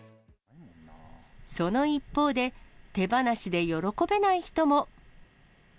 その一方で、手放しで喜べない人も。